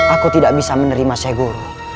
aku tidak bisa menerima syekh guru